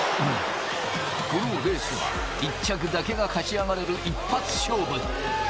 このレースは１着だけが勝ち上がれる一発勝負。